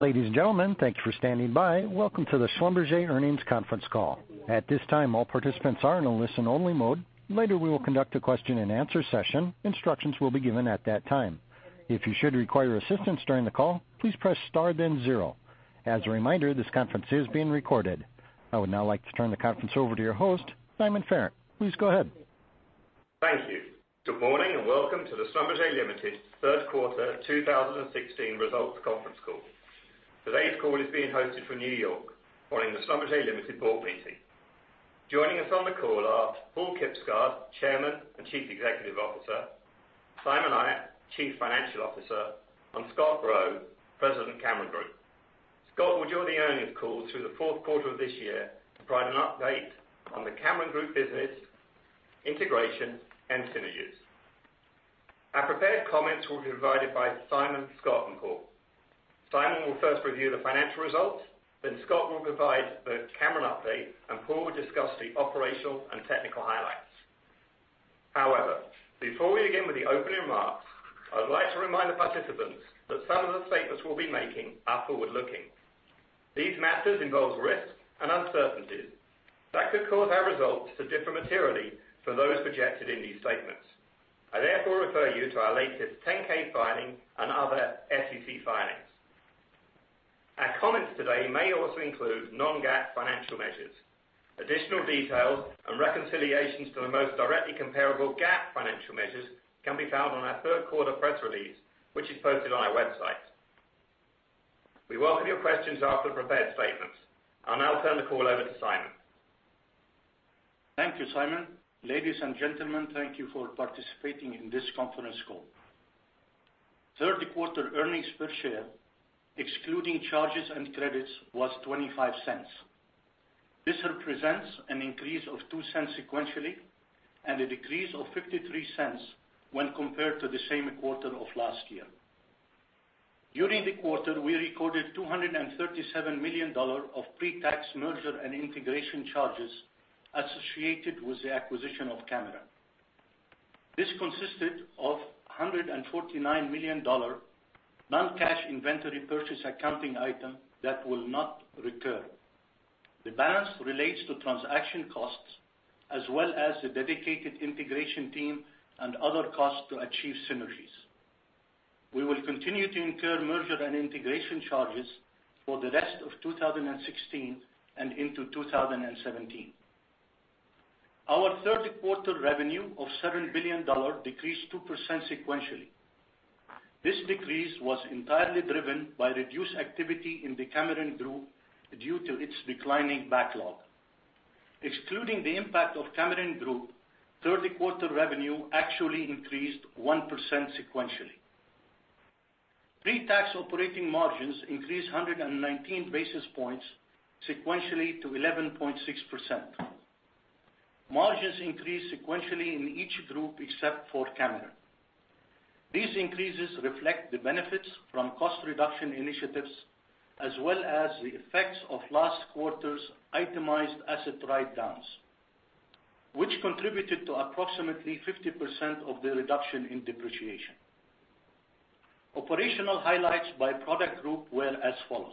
Ladies and gentlemen, thank you for standing by. Welcome to the Schlumberger Earnings Conference Call. At this time, all participants are in a listen-only mode. Later, we will conduct a question and answer session. Instructions will be given at that time. If you should require assistance during the call, please press star then zero. As a reminder, this conference is being recorded. I would now like to turn the conference over to your host, Simon Farrant. Please go ahead. Thank you. Good morning and welcome to the Schlumberger Limited Third Quarter 2016 Results Conference Call. Today's call is being hosted from New York following the Schlumberger Limited board meeting. Joining us on the call are Paal Kibsgaard, Chairman and Chief Executive Officer, Simon Ayat, Chief Financial Officer, and Scott Rowe, President, Cameron Group. Scott will join the earnings call through the fourth quarter of this year to provide an update on the Cameron Group business, integration, and synergies. Our prepared comments will be provided by Simon, Scott, and Paal. Simon will first review the financial results, Scott will provide the Cameron update, Paal will discuss the operational and technical highlights. However, before we begin with the opening remarks, I'd like to remind the participants that some of the statements we'll be making are forward-looking. These matters involve risks and uncertainties that could cause our results to differ materially from those projected in these statements. I therefore refer you to our latest 10-K filing and other SEC filings. Our comments today may also include non-GAAP financial measures. Additional details and reconciliations to the most directly comparable GAAP financial measures can be found on our third quarter press release, which is posted on our website. We welcome your questions after the prepared statements. I'll now turn the call over to Simon. Thank you, Simon. Ladies and gentlemen, thank you for participating in this conference call. Third quarter earnings per share, excluding charges and credits, was $0.25. This represents an increase of $0.02 sequentially and a decrease of $0.53 when compared to the same quarter of last year. During the quarter, we recorded $237 million of pre-tax merger and integration charges associated with the acquisition of Cameron. This consisted of $149 million non-cash inventory purchase accounting item that will not recur. The balance relates to transaction costs as well as the dedicated integration team and other costs to achieve synergies. We will continue to incur merger and integration charges for the rest of 2016 and into 2017. Our third quarter revenue of $7 billion decreased 2% sequentially. This decrease was entirely driven by reduced activity in the Cameron Group due to its declining backlog. Excluding the impact of Cameron Group, third quarter revenue actually increased 1% sequentially. Pre-tax operating margins increased 119 basis points sequentially to 11.6%. Margins increased sequentially in each group except for Cameron. These increases reflect the benefits from cost reduction initiatives, as well as the effects of last quarter's itemized asset write-downs, which contributed to approximately 50% of the reduction in depreciation. Operational highlights by product group were as follows.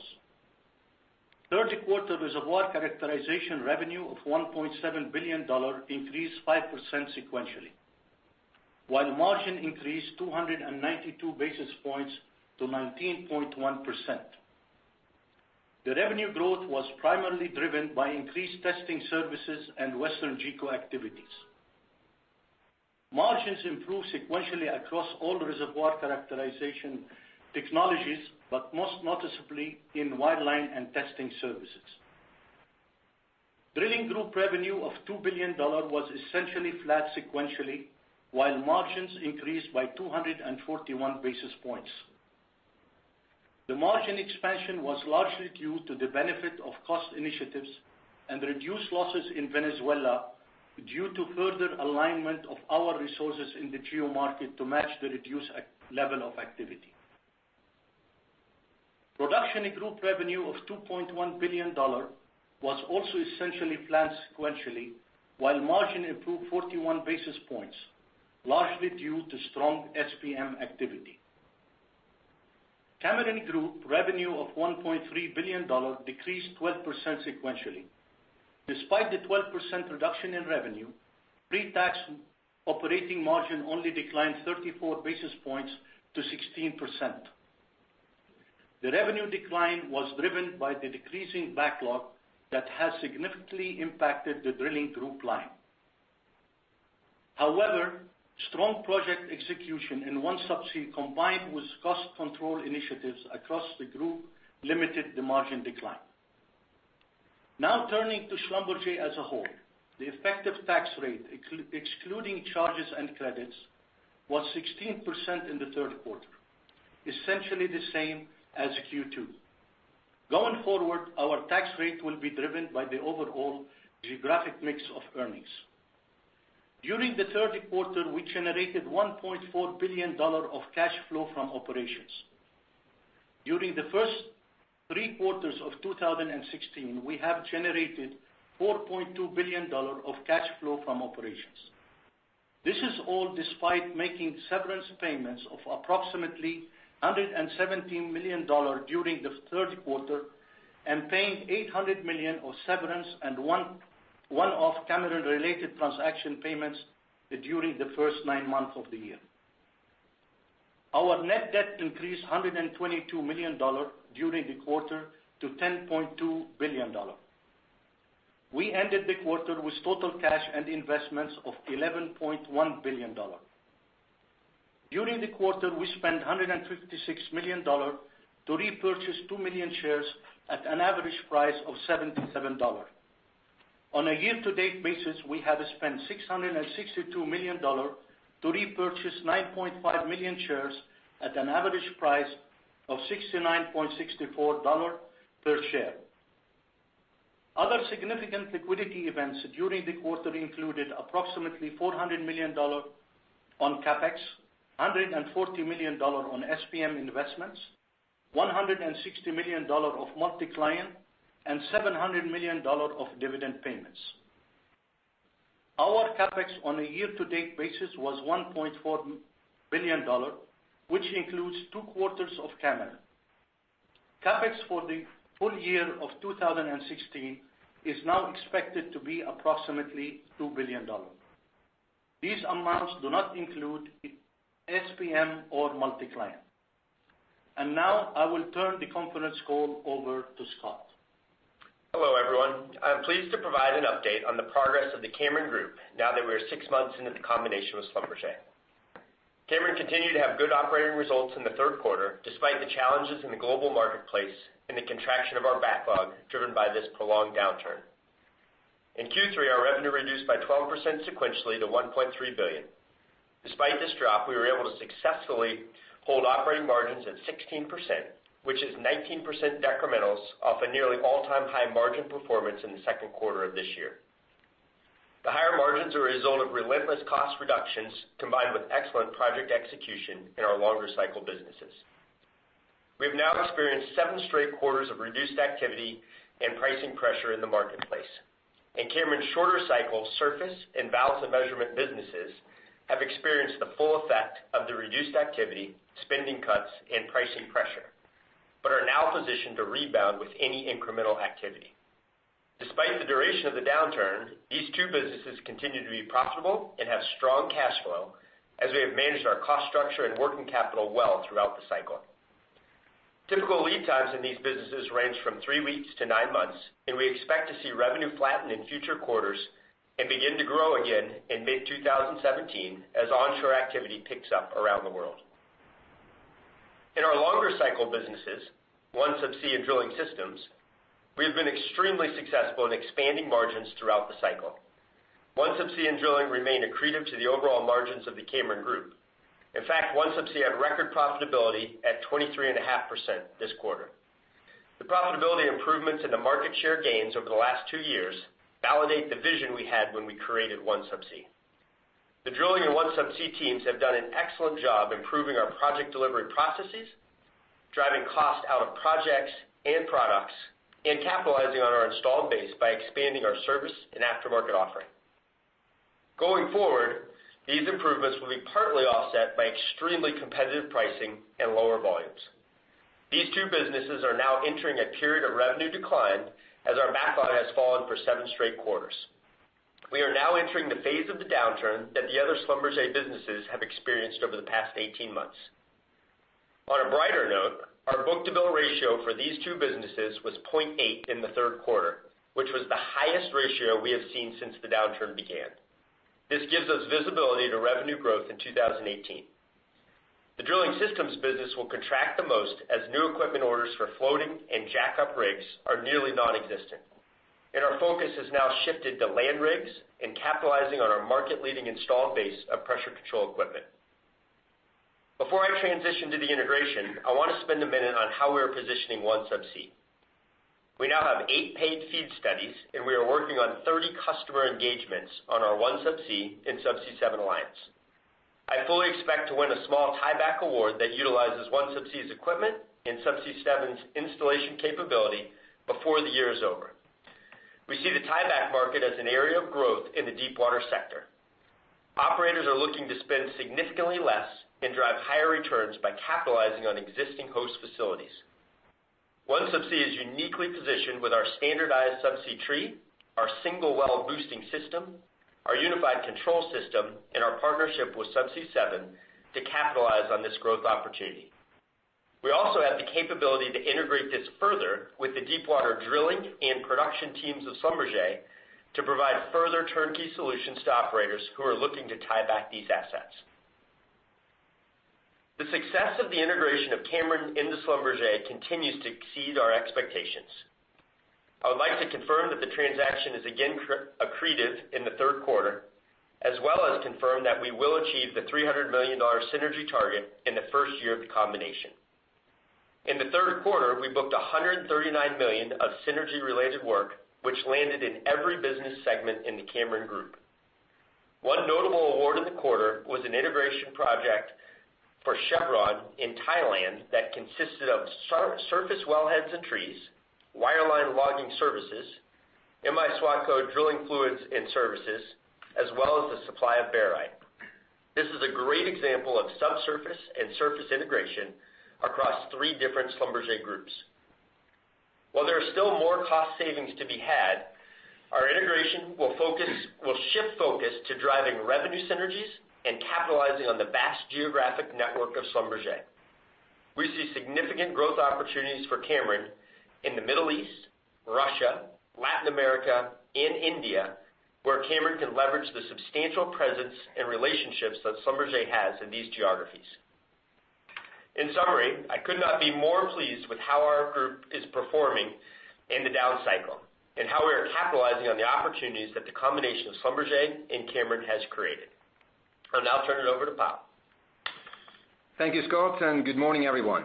Third quarter reservoir characterization revenue of $1.7 billion increased 5% sequentially, while margin increased 292 basis points to 19.1%. The revenue growth was primarily driven by increased testing services and WesternGeco activities. Margins improved sequentially across all reservoir characterization technologies, but most noticeably in Wireline and testing services. Drilling group revenue of $2 billion was essentially flat sequentially, while margins increased by 241 basis points. The margin expansion was largely due to the benefit of cost initiatives and reduced losses in Venezuela due to further alignment of our resources in the geo market to match the reduced level of activity. Production group revenue of $2.1 billion was also essentially flat sequentially, while margin improved 41 basis points, largely due to strong SPM activity. Cameron Group revenue of $1.3 billion decreased 12% sequentially. Despite the 12% reduction in revenue, pre-tax operating margin only declined 34 basis points to 16%. The revenue decline was driven by the decreasing backlog that has significantly impacted the drilling group line. However, strong project execution in OneSubsea, combined with cost control initiatives across the group, limited the margin decline. Turning to Schlumberger as a whole. The effective tax rate, excluding charges and credits, was 16% in the third quarter, essentially the same as Q2. Going forward, our tax rate will be driven by the overall geographic mix of earnings. During the third quarter, we generated $1.4 billion of cash flow from operations. During the first three quarters of 2016, we have generated $4.2 billion of cash flow from operations. This is all despite making severance payments of approximately $117 million during the third quarter and paying $800 million of severance and one-off Cameron-related transaction payments during the first nine months of the year. Our net debt increased $122 million during the quarter to $10.2 billion. We ended the quarter with total cash and investments of $11.1 billion. During the quarter, we spent $156 million to repurchase two million shares at an average price of $77. On a year-to-date basis, we have spent $662 million to repurchase 9.5 million shares at an average price of $69.64 per share. Other significant liquidity events during the quarter included approximately $400 million on CapEx, $140 million on SPM investments, $160 million of multi-client, and $700 million of dividend payments. Our CapEx on a year-to-date basis was $1.4 billion, which includes two quarters of Cameron. CapEx for the full year of 2016 is now expected to be approximately $2 billion. These amounts do not include SPM or multi-client. Now I will turn the conference call over to Scott. Hello, everyone. I am pleased to provide an update on the progress of the Cameron Group now that we are six months into the combination with Schlumberger. Cameron continued to have good operating results in the third quarter, despite the challenges in the global marketplace and the contraction of our backlog driven by this prolonged downturn. In Q3, our revenue reduced by 12% sequentially to $1.3 billion. Despite this drop, we were able to successfully hold operating margins at 16%, which is 19% decrementals off a nearly all-time high margin performance in the second quarter of this year. The higher margins are a result of relentless cost reductions combined with excellent project execution in our longer cycle businesses. We have now experienced seven straight quarters of reduced activity and pricing pressure in the marketplace. Cameron's shorter cycle, surface, and valves and measurement businesses have experienced the full effect of the reduced activity, spending cuts, and pricing pressure, but are now positioned to rebound with any incremental activity. Despite the duration of the downturn, these two businesses continue to be profitable and have strong cash flow, as we have managed our cost structure and working capital well throughout the cycle. Typical lead times in these businesses range from three weeks to nine months, and we expect to see revenue flatten in future quarters and begin to grow again in mid-2017 as onshore activity picks up around the world. In our longer cycle businesses, OneSubsea and Drilling Systems, we have been extremely successful in expanding margins throughout the cycle. OneSubsea and Drilling remain accretive to the overall margins of the Cameron Group. In fact, OneSubsea had record profitability at 23.5% this quarter. The profitability improvements and the market share gains over the last two years validate the vision we had when we created OneSubsea. The Drilling and OneSubsea teams have done an excellent job improving our project delivery processes, driving costs out of projects and products, and capitalizing on our installed base by expanding our service and aftermarket offering. Going forward, these improvements will be partly offset by extremely competitive pricing and lower volumes. These two businesses are now entering a period of revenue decline as our backlog has fallen for seven straight quarters. We are now entering the phase of the downturn that the other Schlumberger businesses have experienced over the past 18 months. On a brighter note, our book-to-bill ratio for these two businesses was 0.8 in the third quarter, which was the highest ratio we have seen since the downturn began. This gives us visibility to revenue growth in 2018. The Drilling Systems business will contract the most as new equipment orders for floating and jackup rigs are nearly nonexistent, and our focus has now shifted to land rigs and capitalizing on our market-leading installed base of pressure control equipment. Before I transition to the integration, I want to spend a minute on how we are positioning OneSubsea. We now have eight paid FEED studies, and we are working on 30 customer engagements on our OneSubsea and Subsea 7 alliance. I fully expect to win a small tieback award that utilizes OneSubsea's equipment and Subsea 7's installation capability before the year is over. We see the tieback market as an area of growth in the deepwater sector. Operators are looking to spend significantly less and drive higher returns by capitalizing on existing host facilities. OneSubsea is uniquely positioned with our standardized subsea tree, our single-well boosting system, our unified control system, and our partnership with Subsea 7 to capitalize on this growth opportunity. We also have the capability to integrate this further with the deepwater drilling and production teams of Schlumberger to provide further turnkey solutions to operators who are looking to tie back these assets. The success of the integration of Cameron into Schlumberger continues to exceed our expectations. I would like to confirm that the transaction is again accretive in the third quarter, as well as confirm that we will achieve the $300 million synergy target in the first year of the combination. In the third quarter, we booked $139 million of synergy-related work, which landed in every business segment in the Cameron Group. One notable award in the quarter was an integration project for Chevron in Thailand that consisted of surface wellheads and trees, Wireline logging services, M-I SWACO drilling fluids and services, as well as the supply of barite. This is a great example of subsurface and surface integration across three different Schlumberger groups. While there are still more cost savings to be had, our integration will shift focus to driving revenue synergies and capitalizing on the vast geographic network of Schlumberger. We see significant growth opportunities for Cameron in the Middle East, Russia, Latin America, and India, where Cameron can leverage the substantial presence and relationships that Schlumberger has in these geographies. In summary, I could not be more pleased with how our group is performing in the down cycle, and how we are capitalizing on the opportunities that the combination of Schlumberger and Cameron has created. I'll now turn it over to Paal. Thank you, Scott, and good morning, everyone.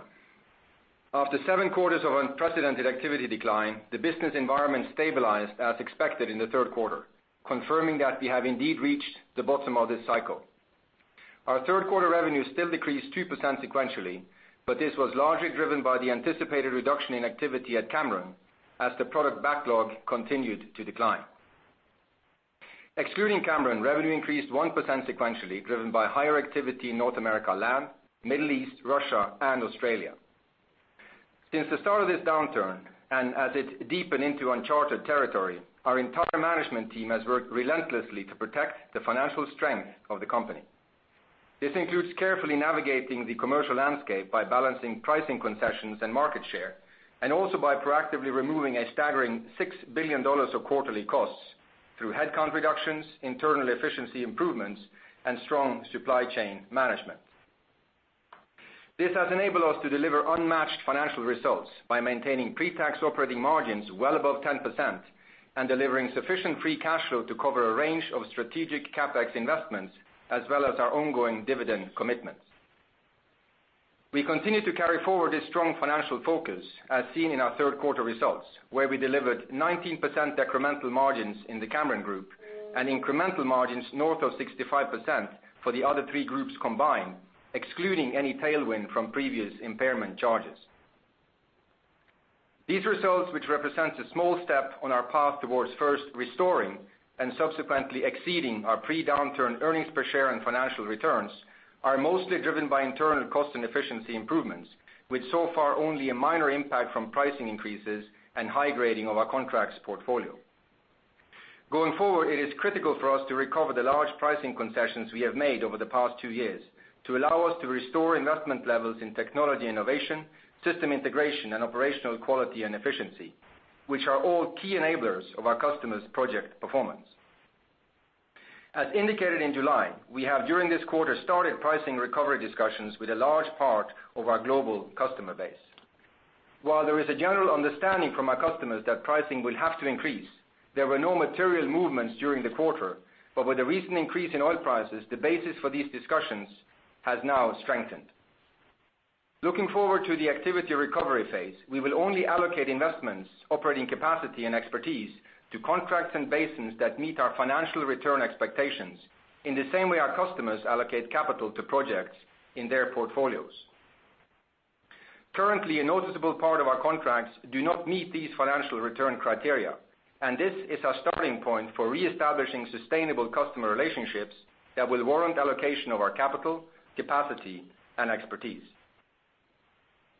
After seven quarters of unprecedented activity decline, the business environment stabilized as expected in the third quarter, confirming that we have indeed reached the bottom of this cycle. Our third quarter revenue still decreased 2% sequentially, but this was largely driven by the anticipated reduction in activity at Cameron as the product backlog continued to decline. Excluding Cameron, revenue increased 1% sequentially, driven by higher activity in North America Land, Middle East, Russia, and Australia. Since the start of this downturn, and as it deepened into unchartered territory, our entire management team has worked relentlessly to protect the financial strength of the company. This includes carefully navigating the commercial landscape by balancing pricing concessions and market share, and also by proactively removing a staggering $6 billion of quarterly costs through headcount reductions, internal efficiency improvements, and strong supply chain management. This has enabled us to deliver unmatched financial results by maintaining pre-tax operating margins well above 10% and delivering sufficient free cash flow to cover a range of strategic CapEx investments, as well as our ongoing dividend commitments. We continue to carry forward this strong financial focus, as seen in our third quarter results, where we delivered 19% incremental margins in the Cameron Group and incremental margins north of 65% for the other three groups combined, excluding any tailwind from previous impairment charges. These results, which represents a small step on our path towards first restoring and subsequently exceeding our pre-downturn earnings per share and financial returns, are mostly driven by internal cost and efficiency improvements, with so far only a minor impact from pricing increases and high-grading of our contracts portfolio. Going forward, it is critical for us to recover the large pricing concessions we have made over the past two years to allow us to restore investment levels in technology innovation, system integration, and operational quality and efficiency, which are all key enablers of our customers' project performance. As indicated in July, we have during this quarter started pricing recovery discussions with a large part of our global customer base. While there is a general understanding from our customers that pricing will have to increase, there were no material movements during the quarter. With the recent increase in oil prices, the basis for these discussions has now strengthened. Looking forward to the activity recovery phase, we will only allocate investments, operating capacity, and expertise to contracts and basins that meet our financial return expectations in the same way our customers allocate capital to projects in their portfolios. Currently, a noticeable part of our contracts do not meet these financial return criteria, and this is our starting point for reestablishing sustainable customer relationships that will warrant allocation of our capital, capacity, and expertise.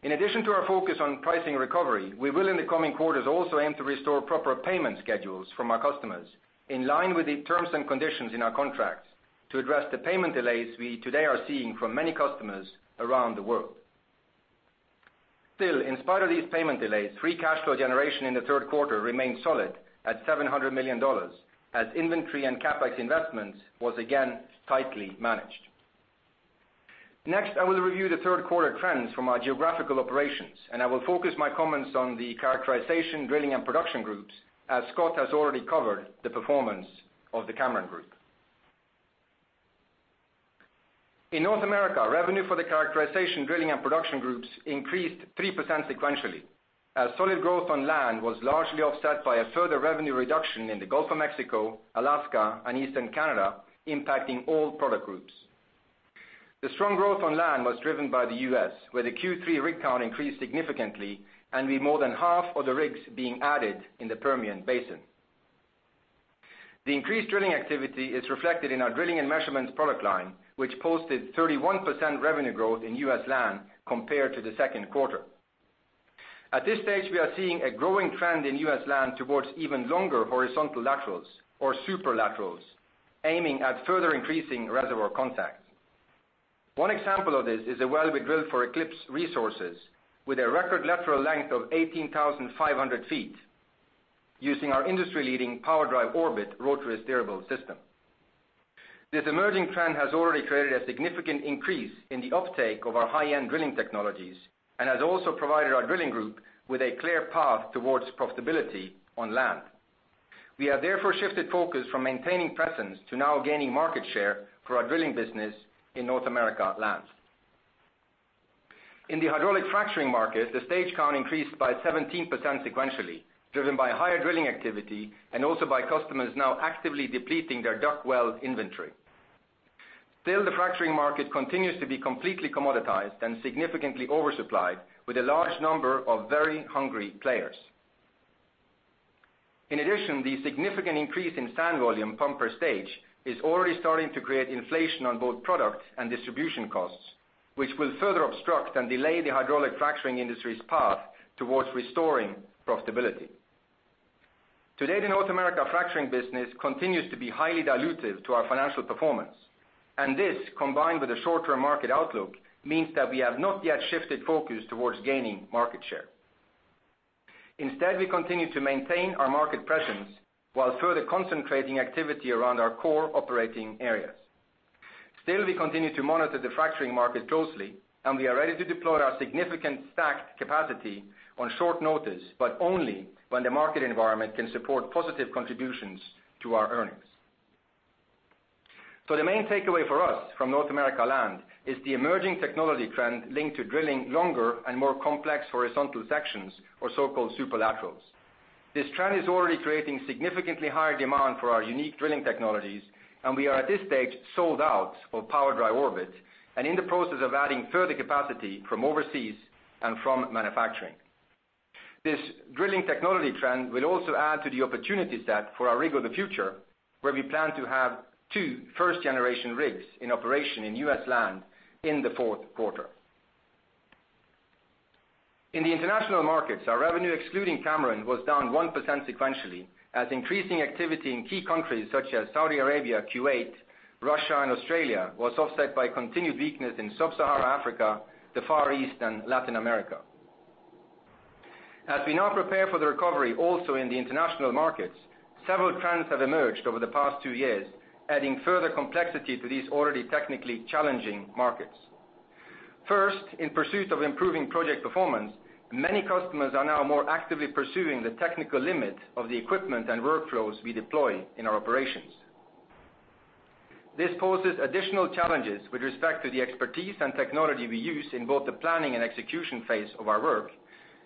In addition to our focus on pricing recovery, we will, in the coming quarters, also aim to restore proper payment schedules from our customers in line with the terms and conditions in our contracts to address the payment delays we today are seeing from many customers around the world. Still, in spite of these payment delays, free cash flow generation in the third quarter remained solid at $700 million as inventory and CapEx investments was again tightly managed. Next, I will review the third quarter trends from our geographical operations, and I will focus my comments on the Characterization, Drilling, and Production groups, as Scott has already covered the performance of the Cameron Group. In North America, revenue for the Characterization, Drilling, and Production groups increased 3% sequentially. A solid growth on land was largely offset by a further revenue reduction in the Gulf of Mexico, Alaska, and Eastern Canada, impacting all product groups. The strong growth on land was driven by the U.S., where the Q3 rig count increased significantly and with more than half of the rigs being added in the Permian Basin. The increased drilling activity is reflected in our Drilling & Measurements product line, which posted 31% revenue growth in U.S. land compared to the second quarter. At this stage, we are seeing a growing trend in U.S. land towards even longer horizontal laterals or super laterals, aiming at further increasing reservoir contact. One example of this is a well we drilled for Eclipse Resources with a record lateral length of 18,500 feet using our industry-leading PowerDrive Orbit rotary steerable system. This emerging trend has already created a significant increase in the uptake of our high-end drilling technologies and has also provided our drilling group with a clear path towards profitability on land. We have therefore shifted focus from maintaining presence to now gaining market share for our drilling business in North America land. In the hydraulic fracturing market, the stage count increased by 17% sequentially, driven by higher drilling activity and also by customers now actively depleting their DUC well inventory. The fracturing market continues to be completely commoditized and significantly oversupplied with a large number of very hungry players. The significant increase in sand volume pump per stage is already starting to create inflation on both product and distribution costs, which will further obstruct and delay the hydraulic fracturing industry's path towards restoring profitability. Today, the North America fracturing business continues to be highly dilutive to our financial performance, and this, combined with the short-term market outlook, means that we have not yet shifted focus towards gaining market share. We continue to maintain our market presence while further concentrating activity around our core operating areas. We continue to monitor the fracturing market closely, and we are ready to deploy our significant stacked capacity on short notice, but only when the market environment can support positive contributions to our earnings. The main takeaway for us from North America Land is the emerging technology trend linked to drilling longer and more complex horizontal sections, or so-called superlaterals. This trend is already creating significantly higher demand for our unique drilling technologies, and we are at this stage sold out of PowerDrive Orbit and in the process of adding further capacity from overseas and from manufacturing. This drilling technology trend will also add to the opportunity set for our Rig of the Future, where we plan to have two first-generation rigs in operation in U.S. land in the fourth quarter. In the international markets, our revenue excluding Cameron was down 1% sequentially as increasing activity in key countries such as Saudi Arabia, Kuwait, Russia, and Australia was offset by continued weakness in sub-Sahara Africa, the Far East, and Latin America. We now prepare for the recovery also in the international markets, several trends have emerged over the past two years, adding further complexity to these already technically challenging markets. In pursuit of improving project performance, many customers are now more actively pursuing the technical limit of the equipment and workflows we deploy in our operations. This poses additional challenges with respect to the expertise and technology we use in both the planning and execution phase of our work,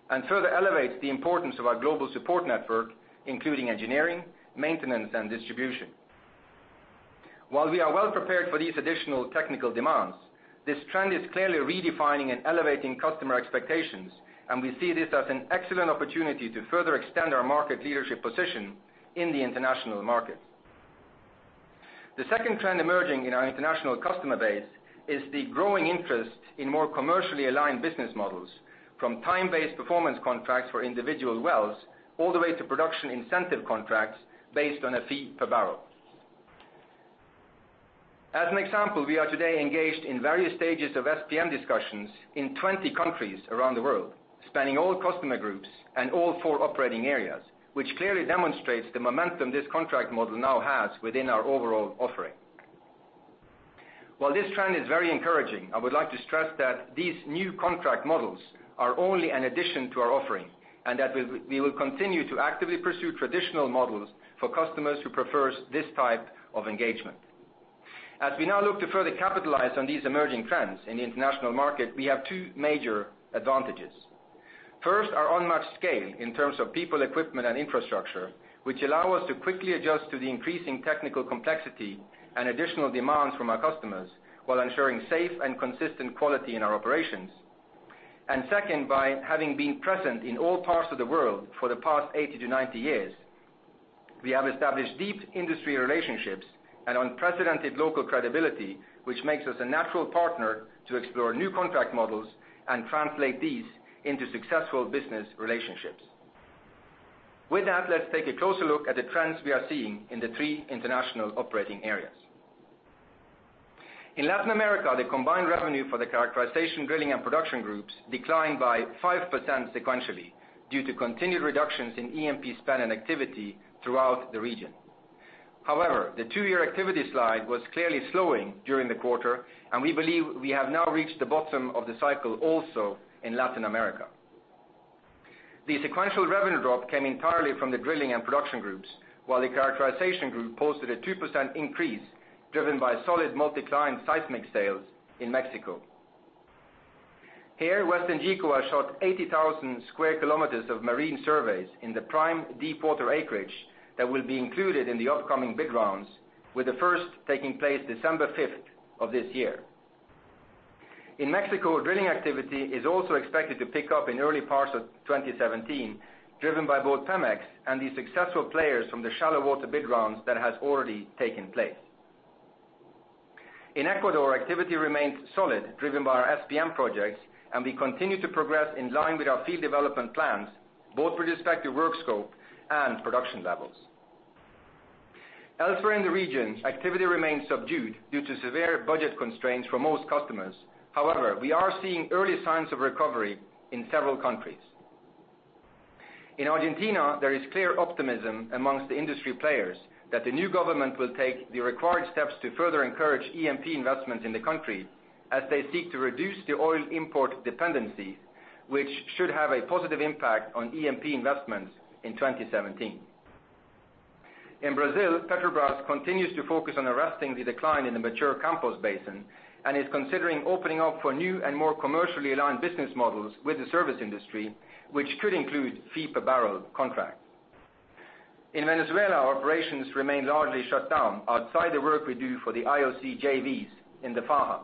and further elevates the importance of our global support network, including engineering, maintenance, and distribution. We are well prepared for these additional technical demands, this trend is clearly redefining and elevating customer expectations, and we see this as an excellent opportunity to further extend our market leadership position in the international market. The second trend emerging in our international customer base is the growing interest in more commercially aligned business models, from time-based performance contracts for individual wells all the way to production incentive contracts based on a fee per barrel. As an example, we are today engaged in various stages of SPM discussions in 20 countries around the world, spanning all customer groups and all four operating areas, which clearly demonstrates the momentum this contract model now has within our overall offering. While this trend is very encouraging, I would like to stress that these new contract models are only an addition to our offering, and that we will continue to actively pursue traditional models for customers who prefer this type of engagement. As we now look to further capitalize on these emerging trends in the international market, we have two major advantages. First, our unmatched scale in terms of people, equipment, and infrastructure, which allow us to quickly adjust to the increasing technical complexity and additional demands from our customers while ensuring safe and consistent quality in our operations. Second, by having been present in all parts of the world for the past 80-90 years, we have established deep industry relationships and unprecedented local credibility, which makes us a natural partner to explore new contract models and translate these into successful business relationships. With that, let's take a closer look at the trends we are seeing in the three international operating areas. In Latin America, the combined revenue for the characterization, drilling, and production groups declined by 5% sequentially due to continued reductions in E&P spend and activity throughout the region. However, the two-year activity slide was clearly slowing during the quarter, we believe we have now reached the bottom of the cycle also in Latin America. The sequential revenue drop came entirely from the drilling and production groups, while the characterization group posted a 2% increase driven by solid multi-client seismic sales in Mexico. Here, WesternGeco has shot 80,000 square kilometers of marine surveys in the prime deepwater acreage that will be included in the upcoming bid rounds, with the first taking place December 5th of this year. In Mexico, drilling activity is also expected to pick up in early parts of 2017, driven by both Pemex and the successful players from the shallow water bid rounds that has already taken place. In Ecuador, activity remains solid, driven by our SPM projects, we continue to progress in line with our field development plans, both with respect to work scope and production levels. Elsewhere in the region, activity remains subdued due to severe budget constraints for most customers. However, we are seeing early signs of recovery in several countries. In Argentina, there is clear optimism amongst the industry players that the new government will take the required steps to further encourage E&P investment in the country as they seek to reduce the oil import dependency, which should have a positive impact on E&P investments in 2017. In Brazil, Petrobras continues to focus on arresting the decline in the mature Campos Basin and is considering opening up for new and more commercially aligned business models with the service industry, which could include fee per barrel contract. In Venezuela, operations remain largely shut down outside the work we do for the IOC JVs in the Faja.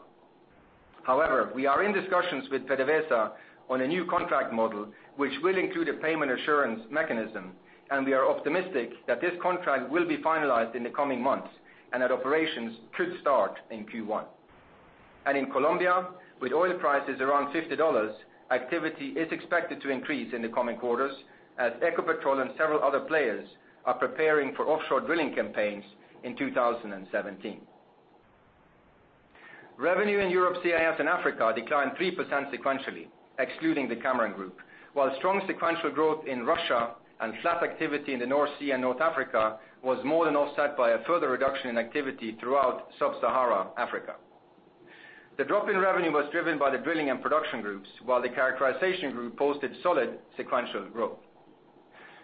We are in discussions with PDVSA on a new contract model, which will include a payment assurance mechanism, and we are optimistic that this contract will be finalized in the coming months, and that operations could start in Q1. In Colombia, with oil prices around $50, activity is expected to increase in the coming quarters as Ecopetrol and several other players are preparing for offshore drilling campaigns in 2017. Revenue in Europe, CIS, and Africa declined 3% sequentially, excluding the Cameron Group. While strong sequential growth in Russia and flat activity in the North Sea and North Africa was more than offset by a further reduction in activity throughout Sub-Sahara Africa. The drop in revenue was driven by the drilling and production groups, while the characterization group posted solid sequential growth.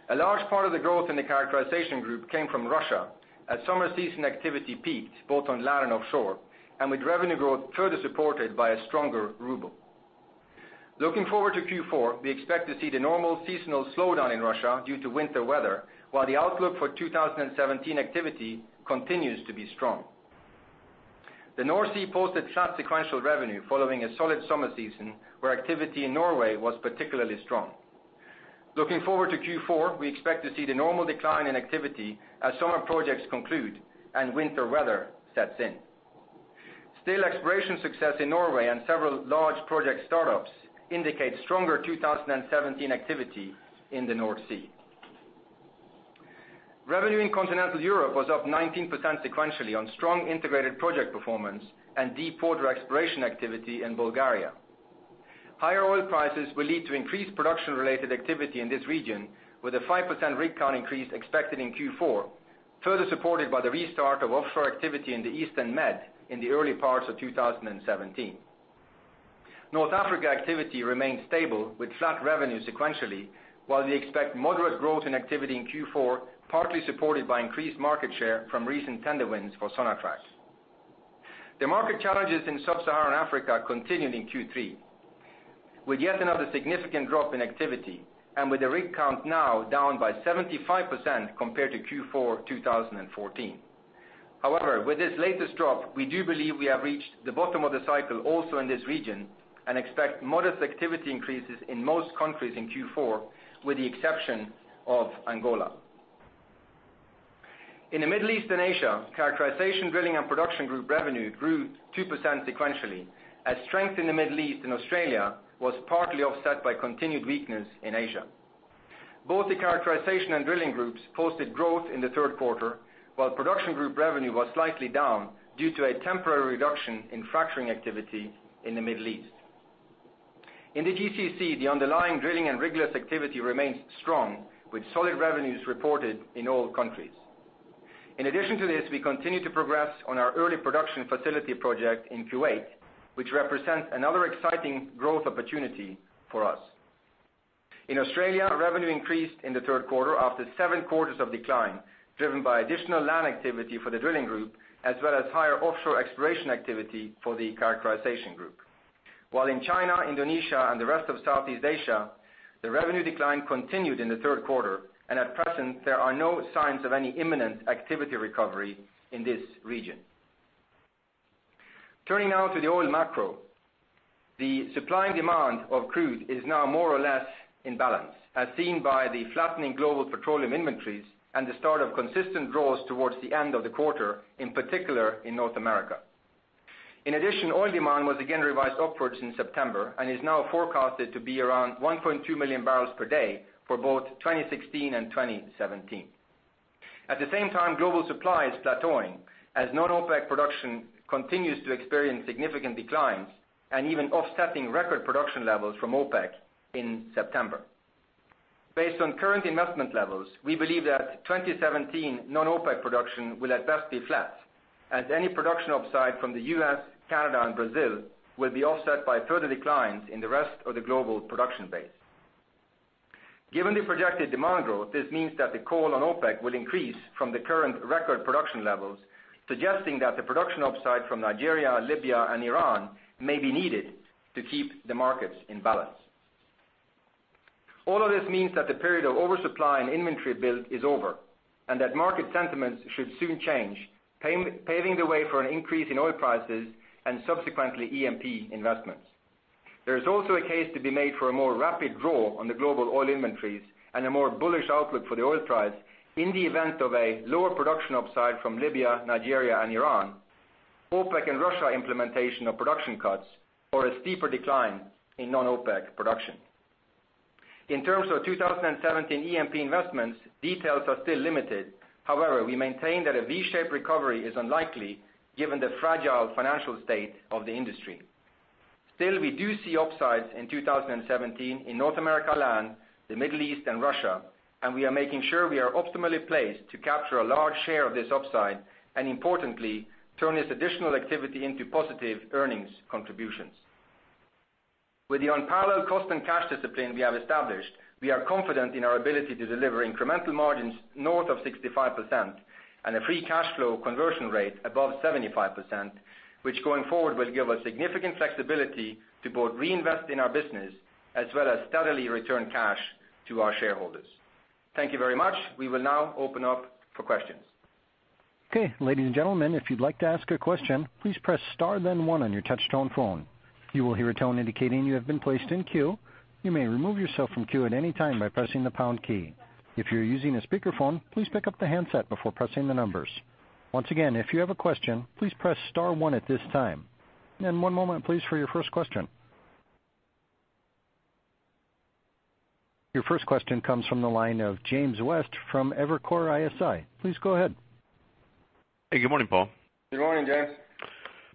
A large part of the growth in the characterization group came from Russia, as summer season activity peaked both on land and offshore, and with revenue growth further supported by a stronger ruble. Looking forward to Q4, we expect to see the normal seasonal slowdown in Russia due to winter weather, while the outlook for 2017 activity continues to be strong. The North Sea posted flat sequential revenue following a solid summer season where activity in Norway was particularly strong. Looking forward to Q4, we expect to see the normal decline in activity as summer projects conclude and winter weather sets in. Still, exploration success in Norway and several large project startups indicate stronger 2017 activity in the North Sea. Revenue in Continental Europe was up 19% sequentially on strong integrated project performance and deepwater exploration activity in Bulgaria. Higher oil prices will lead to increased production-related activity in this region with a 5% rig count increase expected in Q4, further supported by the restart of offshore activity in the Eastern Med in the early parts of 2017. North Africa activity remained stable with flat revenue sequentially, while we expect moderate growth in activity in Q4, partly supported by increased market share from recent tender wins for Sonatrach. The market challenges in Sub-Saharan Africa continued in Q3, with yet another significant drop in activity and with the rig count now down by 75% compared to Q4 2014. With this latest drop, we do believe we have reached the bottom of the cycle also in this region and expect modest activity increases in most countries in Q4, with the exception of Angola. In the Middle East and Asia, characterization drilling and production group revenue grew 2% sequentially, as strength in the Middle East and Australia was partly offset by continued weakness in Asia. Both the characterization and drilling groups posted growth in the third quarter, while production group revenue was slightly down due to a temporary reduction in fracturing activity in the Middle East. In the GCC, the underlying drilling and rigless activity remains strong with solid revenues reported in all countries. In addition to this, we continue to progress on our early production facility project in Kuwait, which represents another exciting growth opportunity for us. In Australia, revenue increased in the third quarter after seven quarters of decline, driven by additional land activity for the drilling group, as well as higher offshore exploration activity for the characterization group. While in China, Indonesia, and the rest of Southeast Asia, the revenue decline continued in the third quarter, and at present, there are no signs of any imminent activity recovery in this region. Turning now to the oil macro. The supply and demand of crude is now more or less in balance, as seen by the flattening global petroleum inventories and the start of consistent draws towards the end of the quarter, in particular in North America. In addition, oil demand was again revised upwards in September and is now forecasted to be around 1.2 million barrels per day for both 2016 and 2017. At the same time, global supply is plateauing as non-OPEC production continues to experience significant declines and even offsetting record production levels from OPEC in September. Based on current investment levels, we believe that 2017 non-OPEC production will at best be flat, as any production upside from the U.S., Canada, and Brazil will be offset by further declines in the rest of the global production base. Given the projected demand growth, this means that the call on OPEC will increase from the current record production levels, suggesting that the production upside from Nigeria, Libya, and Iran may be needed to keep the markets in balance. All of this means that the period of oversupply and inventory build is over, and that market sentiments should soon change, paving the way for an increase in oil prices and subsequently E&P investments. There is also a case to be made for a more rapid draw on the global oil inventories and a more bullish outlook for the oil price in the event of a lower production upside from Libya, Nigeria, and Iran, OPEC and Russia implementation of production cuts, or a steeper decline in non-OPEC production. In terms of 2017 E&P investments, details are still limited. However, we maintain that a V-shaped recovery is unlikely given the fragile financial state of the industry. Still, we do see upsides in 2017 in North America land, the Middle East, and Russia, and we are making sure we are optimally placed to capture a large share of this upside and importantly, turn this additional activity into positive earnings contributions. With the unparalleled cost and cash discipline we have established, we are confident in our ability to deliver incremental margins north of 65% and a free cash flow conversion rate above 75%, which going forward will give us significant flexibility to both reinvest in our business as well as steadily return cash to our shareholders. Thank you very much. We will now open up for questions. Okay. Ladies and gentlemen, if you'd like to ask a question, please press star then one on your touch-tone phone. You will hear a tone indicating you have been placed in queue. You may remove yourself from queue at any time by pressing the pound key. If you're using a speakerphone, please pick up the handset before pressing the numbers. Once again, if you have a question, please press star one at this time. One moment, please, for your first question. Your first question comes from the line of James West from Evercore ISI. Please go ahead. Hey, good morning, Paal. Good morning, James.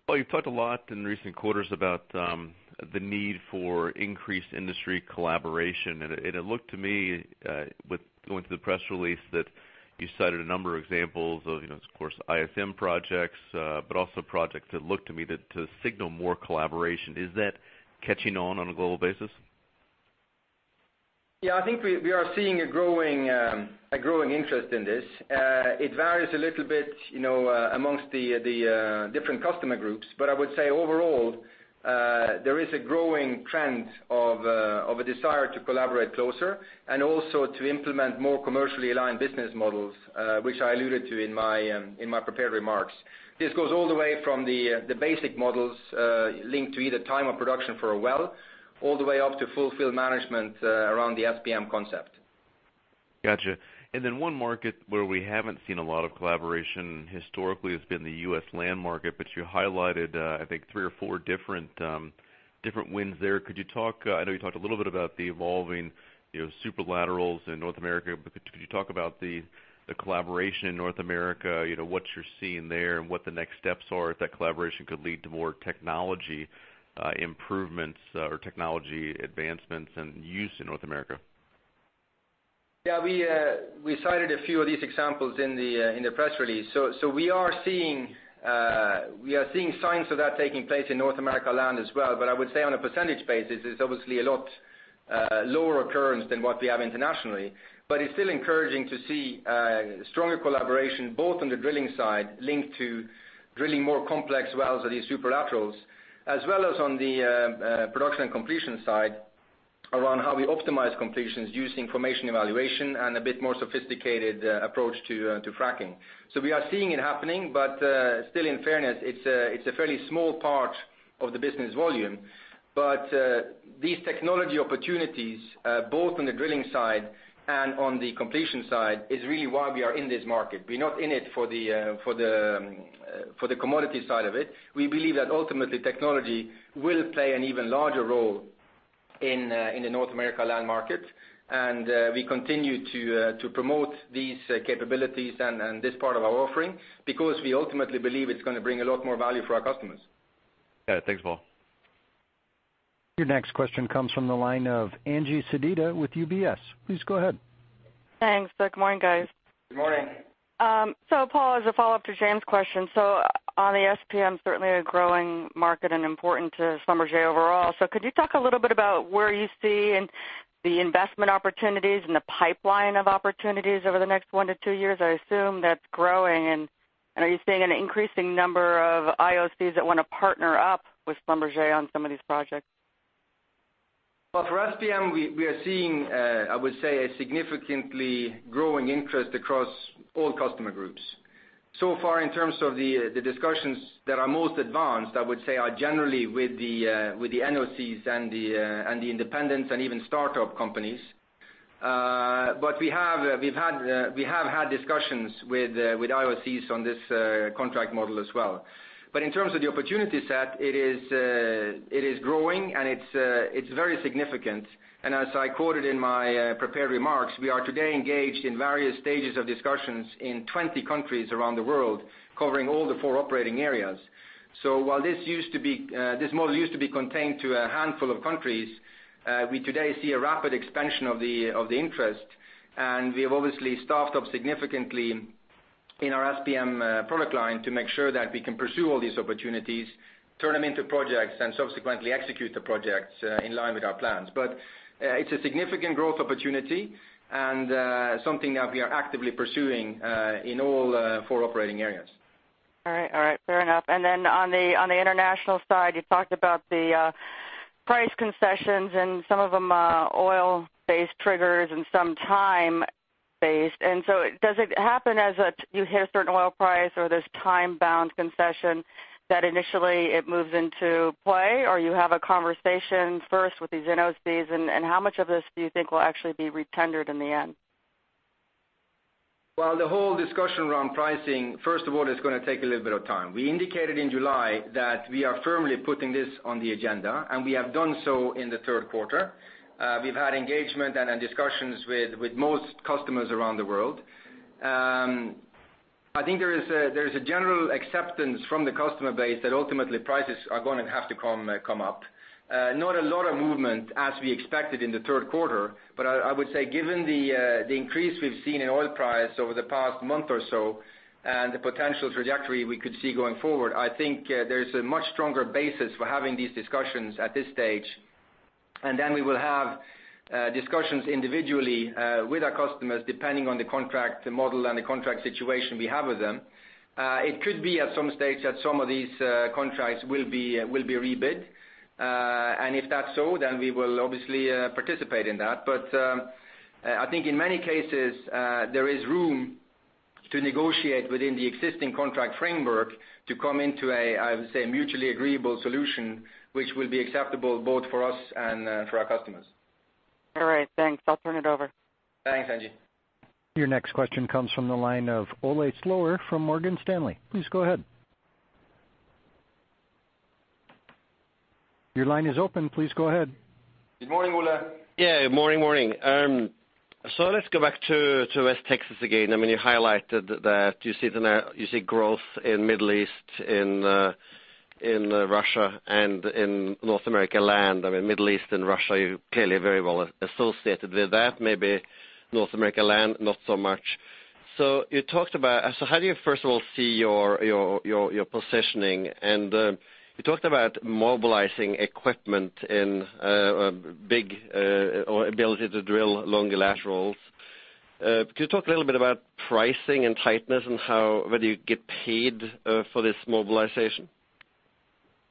Paal, you've talked a lot in recent quarters about the need for increased industry collaboration. It looked to me, going through the press release, that you cited a number of examples of course, SPM projects, but also projects that looked to me to signal more collaboration. Is that catching on a global basis? Yeah, I think we are seeing a growing interest in this. It varies a little bit amongst the different customer groups. I would say overall, there is a growing trend of a desire to collaborate closer and also to implement more commercially aligned business models, which I alluded to in my prepared remarks. This goes all the way from the basic models linked to either time or production for a well, all the way up to full field management around the SPM concept. Got you. One market where we haven't seen a lot of collaboration historically has been the U.S. land market, you highlighted, I think, three or four different wins there. I know you talked a little bit about the evolving superlaterals in North America, could you talk about the collaboration in North America, what you're seeing there and what the next steps are if that collaboration could lead to more technology improvements or technology advancements and use in North America? Yeah, we cited a few of these examples in the press release. We are seeing signs of that taking place in North America land as well. I would say on a percentage basis, it's obviously a lot lower occurrence than what we have internationally. It's still encouraging to see stronger collaboration, both on the drilling side linked to drilling more complex wells or these superlaterals, as well as on the production and completion side around how we optimize completions using formation evaluation and a bit more sophisticated approach to fracking. We are seeing it happening, still, in fairness, it's a fairly small part of the business volume. These technology opportunities, both on the drilling side and on the completion side, is really why we are in this market. We're not in it for the commodity side of it. We believe that ultimately, technology will play an even larger role in the North America land market. We continue to promote these capabilities and this part of our offering because we ultimately believe it's going to bring a lot more value for our customers. Got it. Thanks, Paal. Your next question comes from the line of Angie Sedita with UBS. Please go ahead. Thanks. Good morning, guys. Good morning. Paal, as a follow-up to James' question, on the SPM, certainly a growing market and important to Schlumberger overall. Could you talk a little bit about where you see the investment opportunities and the pipeline of opportunities over the next one to two years? I assume that's growing. Are you seeing an increasing number of IOCs that want to partner up with Schlumberger on some of these projects? Well, for SPM, we are seeing, I would say, a significantly growing interest across all customer groups. Far in terms of the discussions that are most advanced, I would say, are generally with the NOCs and the independents and even startup companies. We have had discussions with IOCs on this contract model as well. In terms of the opportunity set, it is growing and it's very significant. As I quoted in my prepared remarks, we are today engaged in various stages of discussions in 20 countries around the world, covering all the four operating areas. While this model used to be contained to a handful of countries, we today see a rapid expansion of the interest. We have obviously staffed up significantly in our SPM product line to make sure that we can pursue all these opportunities, turn them into projects, and subsequently execute the projects in line with our plans. It's a significant growth opportunity and something that we are actively pursuing in all four operating areas. All right. Fair enough. Then on the international side, you talked about the price concessions and some of them are oil-based triggers and some time-based. Does it happen as you hit a certain oil price or there's time-bound concession that initially it moves into play, or you have a conversation first with these NOCs? How much of this do you think will actually be re-tendered in the end? Well, the whole discussion around pricing, first of all, is going to take a little bit of time. We indicated in July that we are firmly putting this on the agenda, and we have done so in the third quarter. We've had engagement and discussions with most customers around the world. I think there is a general acceptance from the customer base that ultimately prices are going to have to come up. Not a lot of movement as we expected in the third quarter, but I would say, given the increase we've seen in oil price over the past month or so and the potential trajectory we could see going forward, I think there's a much stronger basis for having these discussions at this stage. Then we will have discussions individually with our customers depending on the contract model and the contract situation we have with them. It could be at some stage that some of these contracts will be rebid. If that's so, then we will obviously participate in that. I think in many cases, there is room to negotiate within the existing contract framework to come into a, I would say, mutually agreeable solution, which will be acceptable both for us and for our customers. All right, thanks. I'll turn it over. Thanks, Angie. Your next question comes from the line of Ole Slorer from Morgan Stanley. Please go ahead. Your line is open. Please go ahead. Good morning, Ole. Yeah. Morning. Let's go back to West Texas again. You highlighted that you see growth in Middle East, in Russia, and in North America land. Middle East and Russia, you clearly very well associated with that, maybe North America land, not so much. How do you, first of all, see your positioning? And you talked about mobilizing equipment in big ability to drill long laterals. Could you talk a little bit about pricing and tightness and whether you get paid for this mobilization?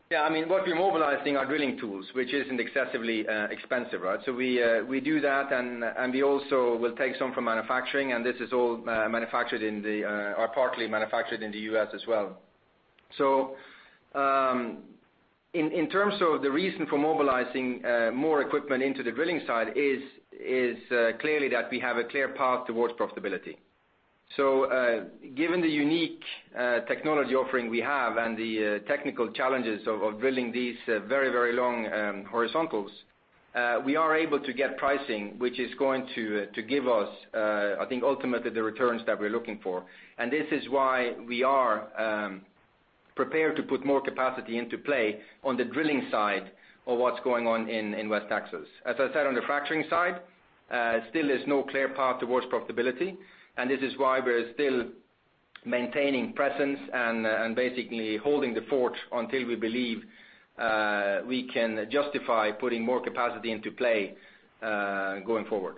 Yeah. What we're mobilizing are drilling tools, which isn't excessively expensive, right? We do that, and we also will take some from manufacturing, and this is all manufactured in the, or partly manufactured in the U.S. as well. In terms of the reason for mobilizing more equipment into the drilling side is clearly that we have a clear path towards profitability. Given the unique technology offering we have and the technical challenges of drilling these very long horizontals, we are able to get pricing, which is going to give us, I think ultimately the returns that we're looking for. This is why we are prepared to put more capacity into play on the drilling side of what's going on in West Texas. As I said, on the fracturing side, still there's no clear path towards profitability. This is why we're still maintaining presence and basically holding the fort until we believe we can justify putting more capacity into play going forward.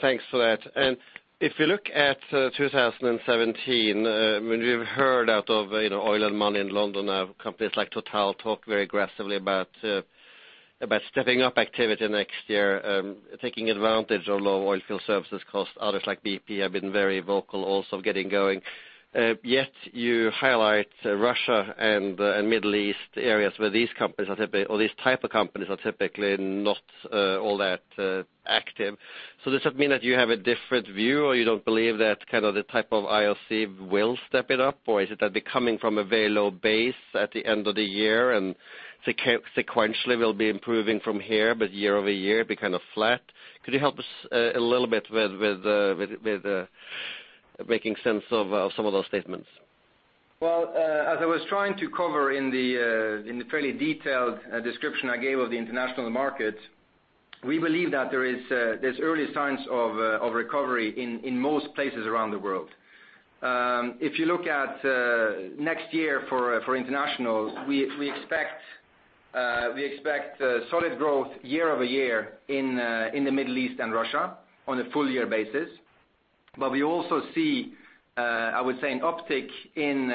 Thanks for that. If you look at 2017, we've heard out of Oil & Money in London, companies like Total talk very aggressively about stepping up activity next year, taking advantage of low oil field services cost. Others like BP have been very vocal also getting going. Yet you highlight Russia and Middle East areas where these companies are typically, or these type of companies are typically not all that active. Does that mean that you have a different view, or you don't believe that kind of the type of IOC will step it up? Or is it that they're coming from a very low base at the end of the year and sequentially will be improving from here, but year-over-year be kind of flat? Could you help us a little bit with making sense of some of those statements? Well, as I was trying to cover in the fairly detailed description I gave of the international market, we believe that there's early signs of recovery in most places around the world. If you look at next year for international, we expect solid growth year-over-year in the Middle East and Russia on a full year basis. We also see, I would say, an uptick in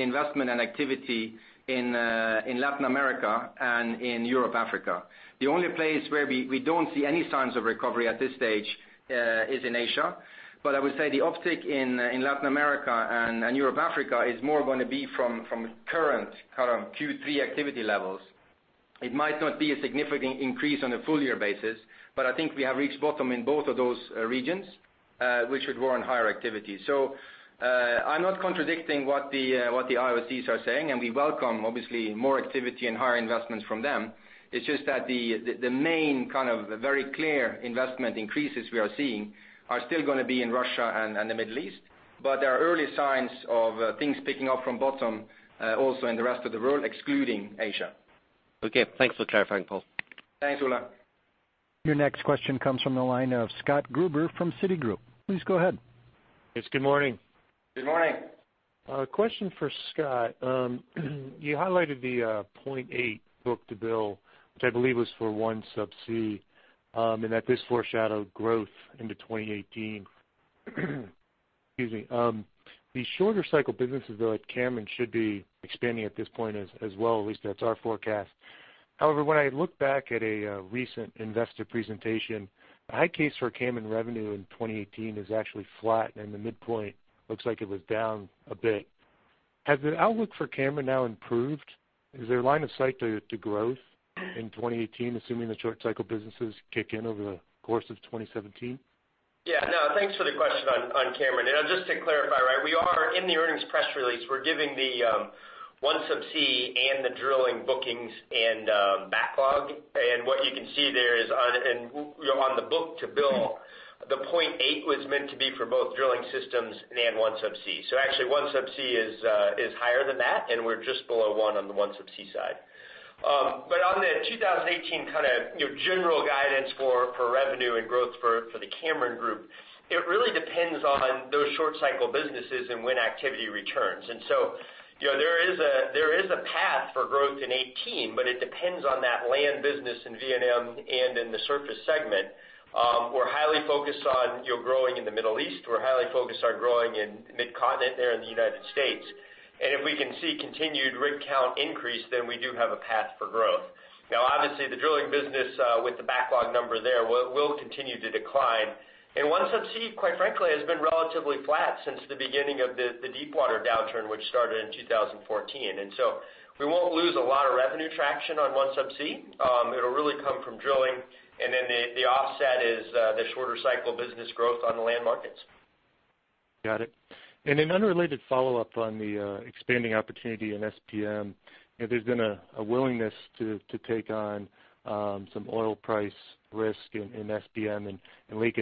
investment and activity in Latin America and in Europe, Africa. The only place where we don't see any signs of recovery at this stage is in Asia. I would say the uptick in Latin America and Europe, Africa is more going to be from current Q3 activity levels. It might not be a significant increase on a full year basis, but I think we have reached bottom in both of those regions, which should warrant higher activity. I'm not contradicting what the IOCs are saying, and we welcome obviously more activity and higher investments from them. It's just that the main kind of very clear investment increases we are seeing are still gonna be in Russia and the Middle East. There are early signs of things picking up from bottom also in the rest of the world, excluding Asia. Okay. Thanks for clarifying, Paal. Thanks, Ole. Your next question comes from the line of Scott Gruber from Citigroup. Please go ahead. Yes, good morning. Good morning. Question for Scott. You highlighted the 0.8 book-to-bill, which I believe was for OneSubsea, and that this foreshadowed growth into 2018. Excuse me. The shorter cycle businesses though at Cameron should be expanding at this point as well, at least that's our forecast. However, when I look back at a recent investor presentation, the high case for Cameron revenue in 2018 is actually flat, and the midpoint looks like it was down a bit. Has the outlook for Cameron now improved? Is there a line of sight to growth in 2018, assuming the short cycle businesses kick in over the course of 2017? Yeah. No, thanks for the question on Cameron. Just to clarify, we are in the earnings press release. We're giving the OneSubsea and the drilling bookings and backlog. What you can see there is on the book-to-bill, the 0.8 was meant to be for both Drilling Systems and OneSubsea. Actually OneSubsea is higher than that, and we're just below one on the OneSubsea side. On the 2018 kind of general guidance for revenue and growth for the Cameron Group, it really depends on those short cycle businesses and when activity returns. There is a- For growth in 2018, it depends on that land business in Vietnam and in the surface segment. We're highly focused on growing in the Middle East. We're highly focused on growing in mid-continent there in the United States. If we can see continued rig count increase, we do have a path for growth. Now, obviously, the drilling business with the backlog number there will continue to decline. OneSubsea, quite frankly, has been relatively flat since the beginning of the deepwater downturn, which started in 2014. We won't lose a lot of revenue traction on OneSubsea. It'll really come from drilling. The offset is the shorter cycle business growth on the land markets. Got it. An unrelated follow-up on the expanding opportunity in SPM. There's been a willingness to take on some oil price risk in SPM and link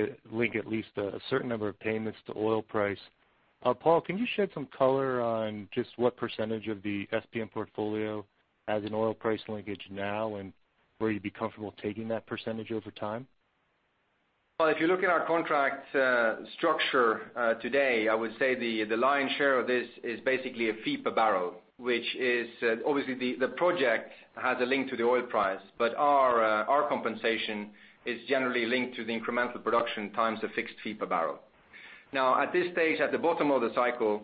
at least a certain number of payments to oil price. Paal, can you shed some color on just what percentage of the SPM portfolio has an oil price linkage now, and where you'd be comfortable taking that percentage over time? Well, if you look at our contract structure today, I would say the lion's share of this is basically a fee per barrel. Which is obviously the project has a link to the oil price, but our compensation is generally linked to the incremental production times the fixed fee per barrel. Now, at this stage, at the bottom of the cycle,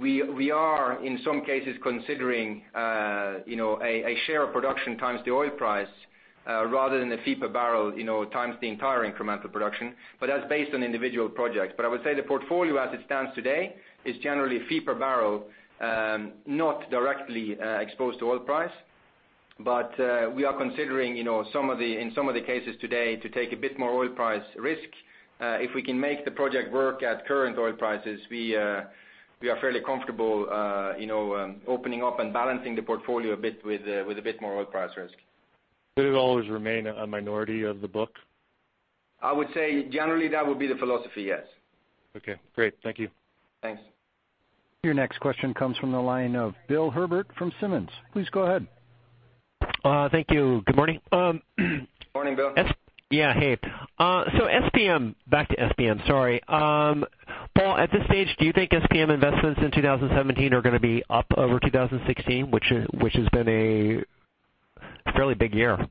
we are, in some cases, considering a share of production times the oil price, rather than the fee per barrel times the entire incremental production. That's based on individual projects. I would say the portfolio as it stands today is generally fee per barrel, not directly exposed to oil price. We are considering in some of the cases today to take a bit more oil price risk. If we can make the project work at current oil prices, we are fairly comfortable opening up and balancing the portfolio a bit with a bit more oil price risk. Would it always remain a minority of the book? I would say generally that would be the philosophy, yes. Okay, great. Thank you. Thanks. Your next question comes from the line of Bill Herbert from Simmons. Please go ahead. Thank you. Good morning. Morning, Bill. Yeah. Hey. SPM, back to SPM, sorry. Paal, at this stage, do you think SPM investments in 2017 are going to be up over 2016, which has been a fairly big year?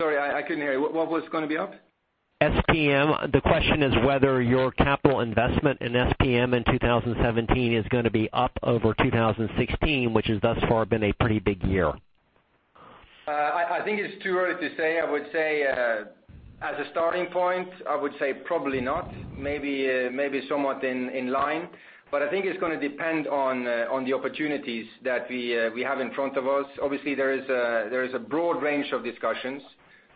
Sorry, I couldn't hear you. What was going to be up? SPM. The question is whether your capital investment in SPM in 2017 is going to be up over 2016, which has thus far been a pretty big year. I think it's too early to say. I would say as a starting point, I would say probably not. Maybe somewhat in line. I think it's going to depend on the opportunities that we have in front of us. Obviously, there is a broad range of discussions.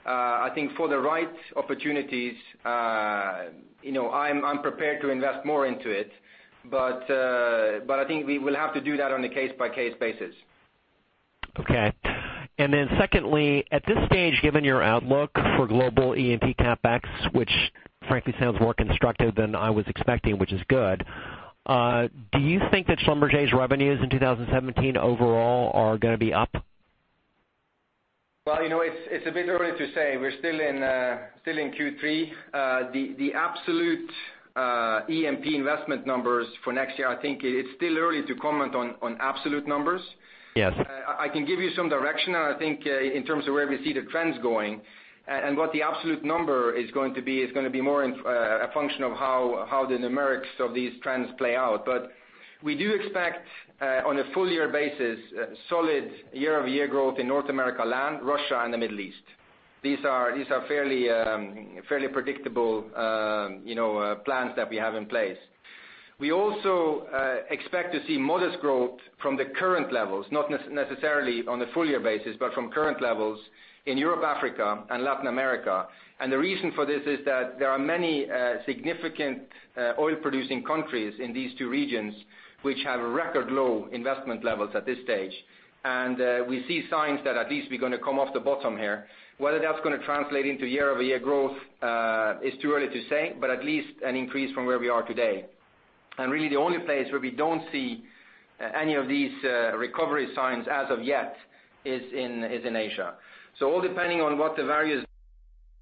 I think for the right opportunities I'm prepared to invest more into it. I think we will have to do that on a case-by-case basis. Okay. Secondly, at this stage, given your outlook for global E&P CapEx, which frankly sounds more constructive than I was expecting, which is good. Do you think that Schlumberger's revenues in 2017 overall are going to be up? Well, it's a bit early to say. We're still in Q3. The absolute E&P investment numbers for next year, I think it's still early to comment on absolute numbers. Yes. I can give you some direction, I think, in terms of where we see the trends going. What the absolute number is going to be is going to be more a function of how the numerics of these trends play out. We do expect on a full year basis, solid year-over-year growth in North America land, Russia, and the Middle East. These are fairly predictable plans that we have in place. We also expect to see modest growth from the current levels, not necessarily on a full year basis, but from current levels in Europe, Africa, and Latin America. The reason for this is that there are many significant oil-producing countries in these two regions which have record low investment levels at this stage. We see signs that at least we're going to come off the bottom here. Whether that's going to translate into year-over-year growth is too early to say, but at least an increase from where we are today. Really the only place where we don't see any of these recovery signs as of yet is in Asia. All depending on what the various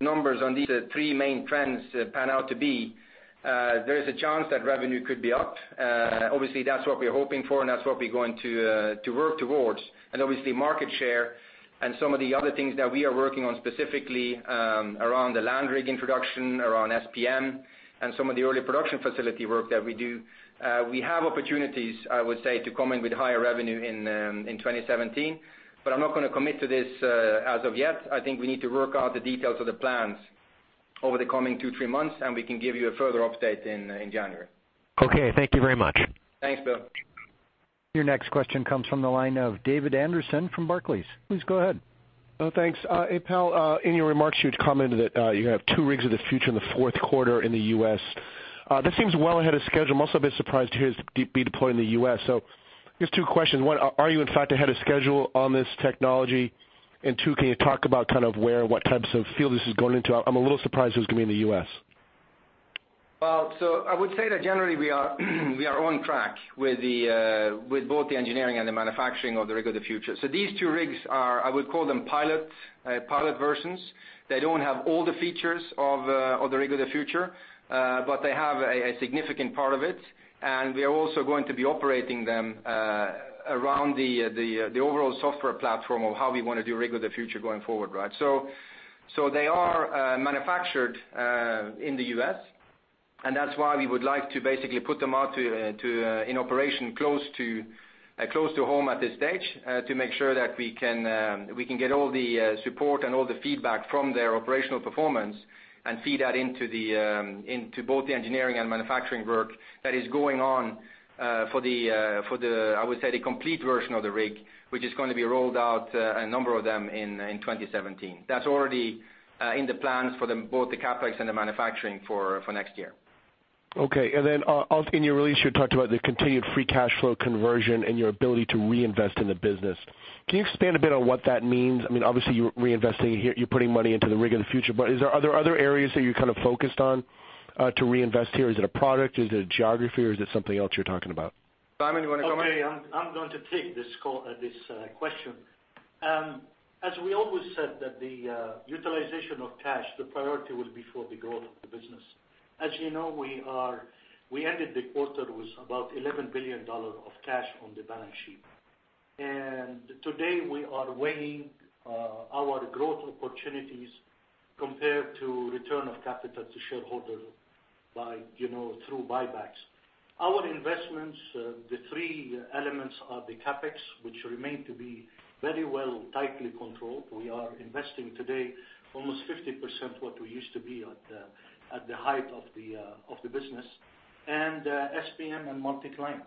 numbers on these three main trends pan out to be, there is a chance that revenue could be up. Obviously, that's what we're hoping for, and that's what we're going to work towards. Obviously, market share and some of the other things that we are working on specifically around the land rig introduction, around SPM, and some of the early production facility work that we do. We have opportunities, I would say, to come in with higher revenue in 2017. I'm not going to commit to this as of yet. I think we need to work out the details of the plans over the coming two, three months, we can give you a further update in January. Okay, thank you very much. Thanks, Bill. Your next question comes from the line of David Anderson from Barclays. Please go ahead. Thanks. Hey, Paal. In your remarks, you had commented that you have two Rig of the Future in the fourth quarter in the U.S. That seems well ahead of schedule. I'm also a bit surprised to hear this would be deployed in the U.S. Just two questions. One, are you in fact ahead of schedule on this technology? Two, can you talk about kind of where, what types of field this is going into? I'm a little surprised it was going to be in the U.S. Well, I would say that generally we are on track with both the engineering and the manufacturing of the Rig of the Future. These two rigs are, I would call them pilot versions. They don't have all the features of the Rig of the Future. They have a significant part of it. We are also going to be operating them around the overall software platform of how we want to do Rig of the Future going forward, right? They are manufactured in the U.S., and that's why we would like to basically put them out in operation close to home at this stage to make sure that we can get all the support and all the feedback from their operational performance and feed that into both the engineering and manufacturing work that is going on for the, I would say, the complete version of the rig, which is going to be rolled out, a number of them, in 2017. That's already in the plans for both the CapEx and the manufacturing for next year. Also in your release, you talked about the continued free cash flow conversion and your ability to reinvest in the business. Can you expand a bit on what that means? Obviously, you're reinvesting here, you're putting money into the Rig of the Future, are there other areas that you're focused on to reinvest here? Is it a product? Is it a geography, or is it something else you're talking about? Simon, you want to comment? Okay. I'm going to take this question. We always said that the utilization of cash, the priority will be for the growth of the business. You know, we ended the quarter with about $11 billion of cash on the balance sheet. Today we are weighing our growth opportunities compared to return of capital to shareholders through buybacks. Our investments, the three elements are the CapEx, which remain to be very well tightly controlled. We are investing today almost 50% what we used to be at the height of the business, SPM and multi-client.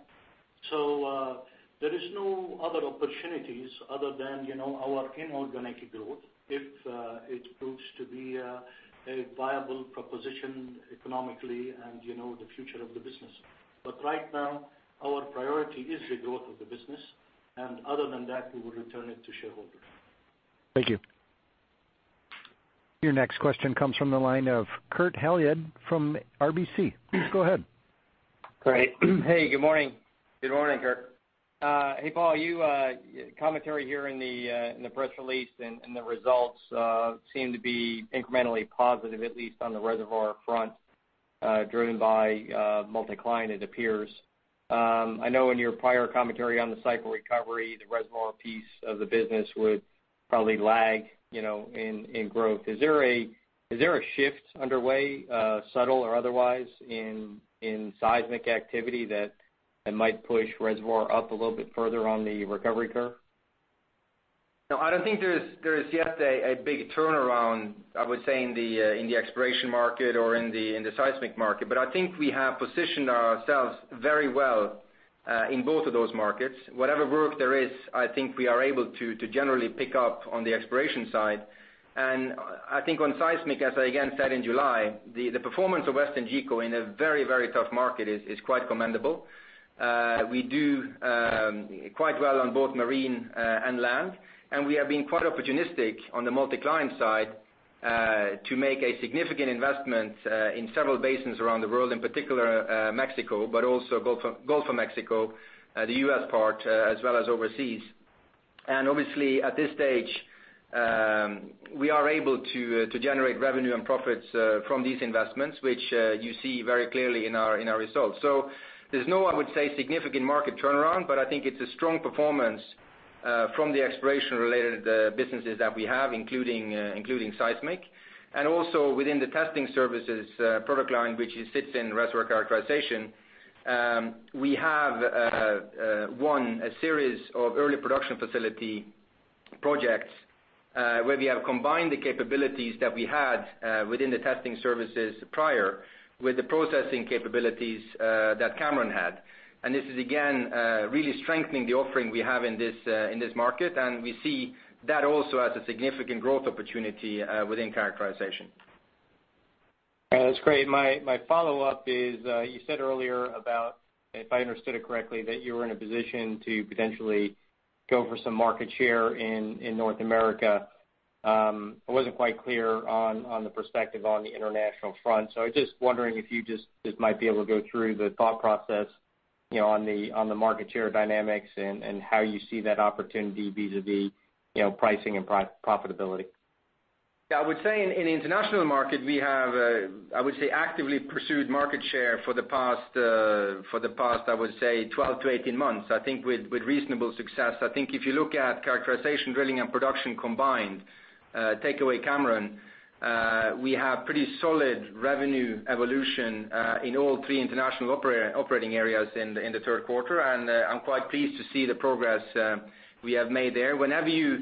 There is no other opportunities other than our inorganic growth if it proves to be a viable proposition economically and the future of the business. Right now, our priority is the growth of the business, and other than that, we will return it to shareholders. Thank you. Your next question comes from the line of Kurt Hallead from RBC. Please go ahead. Great. Hey, good morning. Good morning, Kurt. Hey, Paal, your commentary here in the press release and the results seem to be incrementally positive, at least on the reservoir front, driven by multi-client, it appears. I know in your prior commentary on the cycle recovery, the reservoir piece of the business would probably lag in growth. Is there a shift underway, subtle or otherwise, in seismic activity that might push reservoir up a little bit further on the recovery curve? I don't think there is yet a big turnaround, I would say, in the exploration market or in the seismic market. I think we have positioned ourselves very well in both of those markets. Whatever work there is, I think we are able to generally pick up on the exploration side. I think on seismic, as I again said in July, the performance of WesternGeco in a very tough market is quite commendable. We do quite well on both marine and land, we have been quite opportunistic on the multi-client side to make a significant investment in several basins around the world, in particular Mexico, but also Gulf of Mexico, the U.S. part, as well as overseas. Obviously, at this stage, we are able to generate revenue and profits from these investments, which you see very clearly in our results. There's no, I would say, significant market turnaround, but I think it's a strong performance from the exploration-related businesses that we have, including seismic. Also within the testing services product line, which sits in reservoir characterization, we have, one, a series of early production facility projects where we have combined the capabilities that we had within the testing services prior with the processing capabilities that Cameron had. This is, again, really strengthening the offering we have in this market, and we see that also as a significant growth opportunity within characterization. That's great. My follow-up is, you said earlier about, if I understood it correctly, that you were in a position to potentially go for some market share in North America. I wasn't quite clear on the perspective on the international front. I was just wondering if you just might be able to go through the thought process on the market share dynamics and how you see that opportunity vis-a-vis pricing and profitability. I would say in the international market, we have, I would say, actively pursued market share for the past, I would say, 12-18 months, I think with reasonable success. I think if you look at characterization, drilling, and production combined, take away Cameron, we have pretty solid revenue evolution in all three international operating areas in the third quarter. I'm quite pleased to see the progress we have made there. Whenever you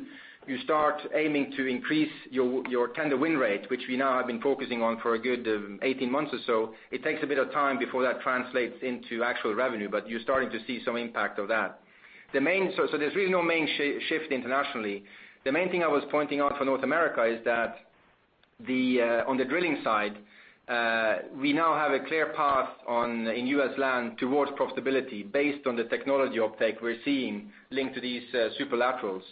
start aiming to increase your tender win rate, which we now have been focusing on for a good 18 months or so, it takes a bit of time before that translates into actual revenue, but you're starting to see some impact of that. There's really no main shift internationally. The main thing I was pointing out for North America is that on the drilling side, we now have a clear path in U.S. land towards profitability based on the technology uptake we're seeing linked to these super laterals.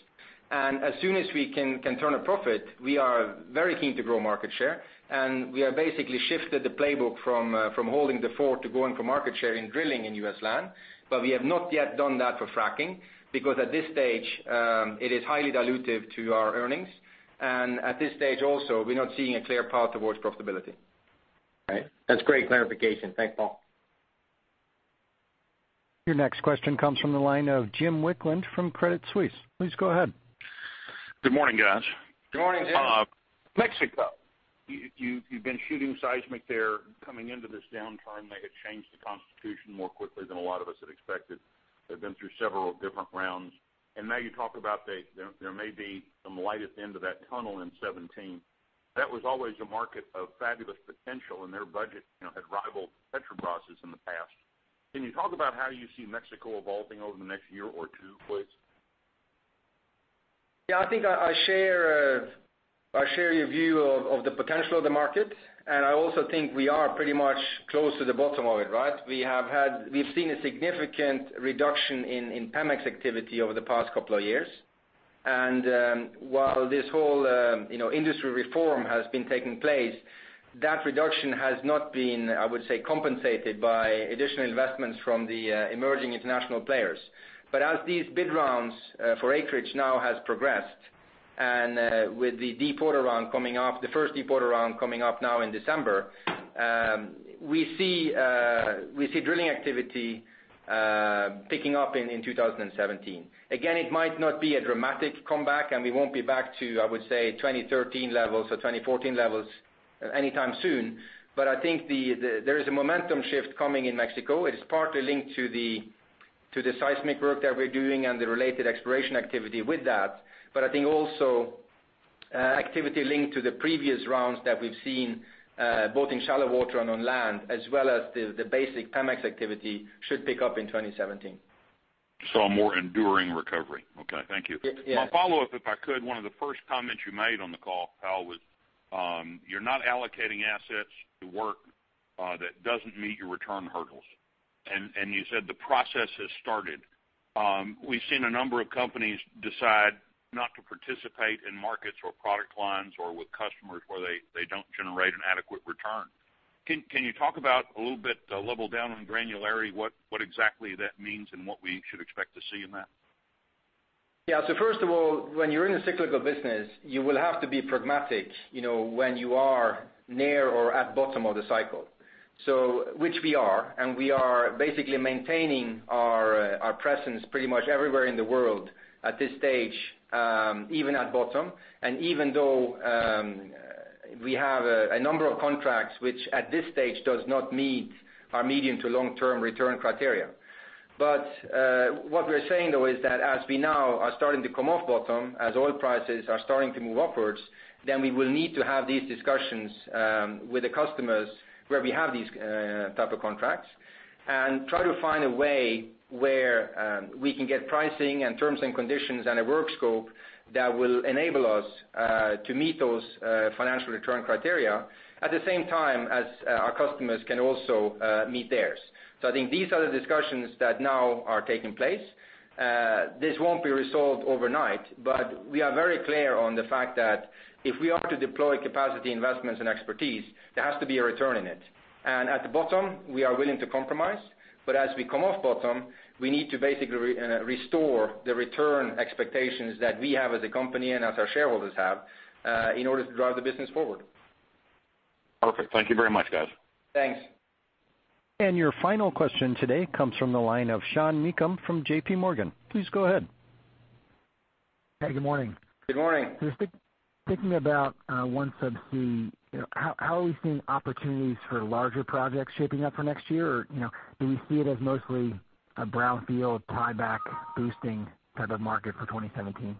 As soon as we can turn a profit, we are very keen to grow market share, and we have basically shifted the playbook from holding the fort to going for market share in drilling in U.S. land. We have not yet done that for fracking, because at this stage, it is highly dilutive to our earnings. At this stage also, we're not seeing a clear path towards profitability. Right. That's great clarification. Thanks, Paal. Your next question comes from the line of Jim Wicklund from Credit Suisse. Please go ahead. Good morning, guys. Good morning, Jim. Mexico. You've been shooting seismic there coming into this downturn. They had changed the Constitution more quickly than a lot of us had expected. They've been through several different rounds, and now you talk about there may be some light at the end of that tunnel in 2017. That was always a market of fabulous potential, and their budget had rivaled Petrobras' in the past. Can you talk about how you see Mexico evolving over the next year or two, please? Yeah, I think I share your view of the potential of the market, and I also think we are pretty much close to the bottom of it, right? We've seen a significant reduction in Pemex activity over the past couple of years. While this whole industry reform has been taking place, that reduction has not been, I would say, compensated by additional investments from the emerging international players. As these bid rounds for acreage now has progressed, and with the first deepwater round coming up now in December, we see drilling activity picking up in 2017. Again, it might not be a dramatic comeback, and we won't be back to, I would say, 2013 levels or 2014 levels anytime soon. I think there is a momentum shift coming in Mexico. It is partly linked to the seismic work that we're doing and the related exploration activity with that. I think also activity linked to the previous rounds that we've seen, both in shallow water and on land, as well as the basic Pemex activity, should pick up in 2017. A more enduring recovery. Okay, thank you. Yeah. My follow-up, if I could, one of the first comments you made on the call, Paal, was you're not allocating assets to work that doesn't meet your return hurdles, and you said the process has started. We've seen a number of companies decide not to participate in markets or product lines or with customers where they don't generate an adequate return. Can you talk about, a little bit, the level down on granularity, what exactly that means and what we should expect to see in that? Yeah. First of all, when you're in a cyclical business, you will have to be pragmatic when you are near or at bottom of the cycle. Which we are, and we are basically maintaining our presence pretty much everywhere in the world at this stage, even at bottom, and even though we have a number of contracts, which at this stage does not meet our medium- to long-term return criteria. What we're saying, though, is that as we now are starting to come off bottom, as oil prices are starting to move upwards, we will need to have these discussions with the customers where we have these type of contracts and try to find a way where we can get pricing and terms and conditions and a work scope that will enable us to meet those financial return criteria at the same time as our customers can also meet theirs. I think these are the discussions that now are taking place. This won't be resolved overnight, but we are very clear on the fact that if we are to deploy capacity investments and expertise, there has to be a return in it. At the bottom, we are willing to compromise, but as we come off bottom, we need to basically restore the return expectations that we have as a company and as our shareholders have in order to drive the business forward. Perfect. Thank you very much, guys. Thanks. Your final question today comes from the line of Sean Meakim from JP Morgan. Please go ahead. Hey, good morning. Good morning. Just thinking about OneSubsea. How are we seeing opportunities for larger projects shaping up for next year? Do we see it as mostly a brownfield tieback boosting type of market for 2017?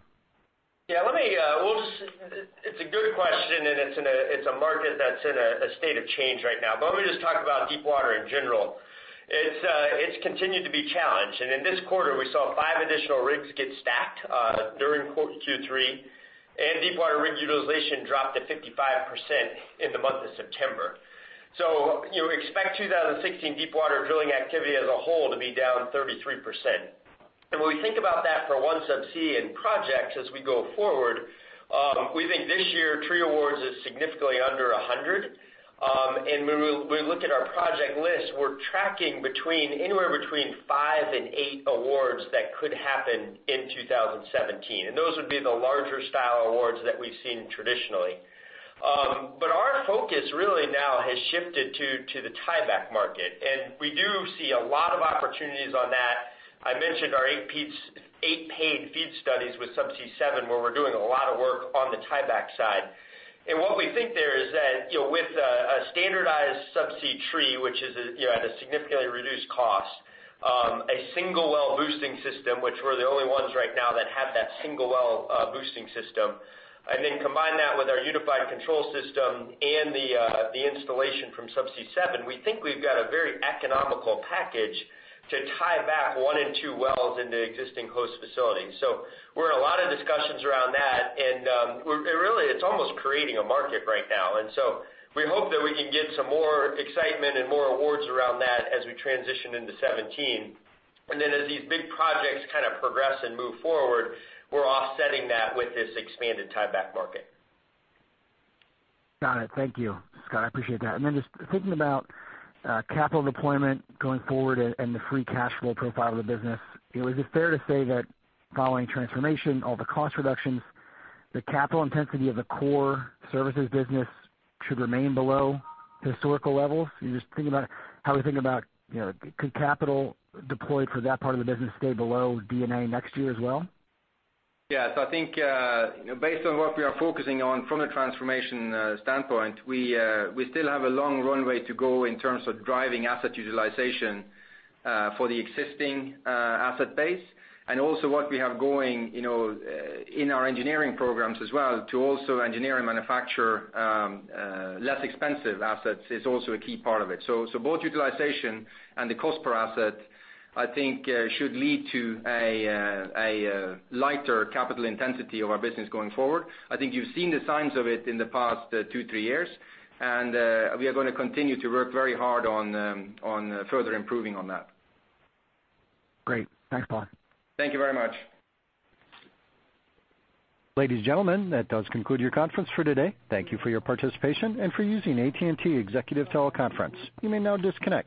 It's a good question, and it's a market that's in a state of change right now. Let me just talk about deepwater in general. It's continued to be challenged, and in this quarter, we saw five additional rigs get stacked during Q3, and deepwater rig utilization dropped to 55% in the month of September. We expect 2016 deepwater drilling activity as a whole to be down 33%. When we think about that for OneSubsea and projects as we go forward, we think this year, tree awards is significantly under 100. When we look at our project list, we're tracking anywhere between five and eight awards that could happen in 2017, and those would be the larger style awards that we've seen traditionally. Our focus really now has shifted to the tieback market, and we do see a lot of opportunities on that. I mentioned our eight paid FEED studies with Subsea 7, where we're doing a lot of work on the tieback side. What we think there is that with a standardized subsea tree, which is at a significantly reduced cost, a single well boosting system, which we're the only ones right now that have that single well boosting system, and then combine that with our unified control system and the installation from Subsea 7. We think we've got a very economical package to tie back one in two wells into existing host facilities. We're in a lot of discussions around that, and really, it's almost creating a market right now. We hope that we can get some more excitement and more awards around that as we transition into 2017. as these big projects kind of progress and move forward, we're offsetting that with this expanded tieback market. Got it. Thank you, Scott, I appreciate that. Just thinking about capital deployment going forward and the free cash flow profile of the business, is it fair to say that following transformation, all the cost reductions, the capital intensity of the core services business should remain below historical levels? Just thinking about how we think about could capital deployed for that part of the business stay below D&A next year as well? Yeah. I think based on what we are focusing on from a transformation standpoint, we still have a long runway to go in terms of driving asset utilization for the existing asset base. What we have going in our engineering programs as well to also engineer and manufacture less expensive assets is also a key part of it. Both utilization and the cost per asset, I think, should lead to a lighter capital intensity of our business going forward. I think you've seen the signs of it in the past two, three years, and we are going to continue to work very hard on further improving on that. Great. Thanks a lot. Thank you very much. Ladies and gentlemen, that does conclude your conference for today. Thank you for your participation and for using AT&T Executive Teleconference. You may now disconnect.